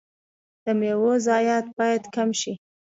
د میوو ضایعات باید کم شي.